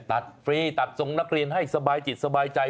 ฟรีตัดทรงนักเรียนให้สบายจิตสบายใจ